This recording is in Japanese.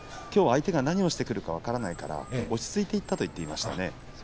相手が何をしてくるか分からないから落ち着いていったと言っていました。